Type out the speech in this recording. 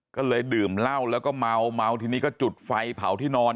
ก็เลยดื่มเหล้าแล้วก็เมาเมาทีนี้ก็จุดไฟเผาที่นอน